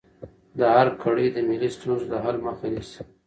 د ارګ کړۍ د ملي ستونزو د حل مخه نیسي.